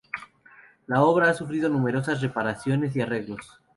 La obra ha sufrido numerosas reparaciones y arreglos.